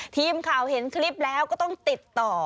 ทีมข่าวเห็นคลิปแล้วก็ต้องติดต่อ